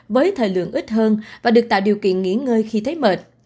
với thời lượng ít hơn và được tạo điều kiện nghỉ ngơi khi thấy mệt